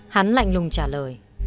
hắn lạnh lùng trả lời